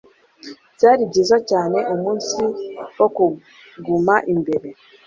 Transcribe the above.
Byari byiza cyane umunsi wo kuguma imbere.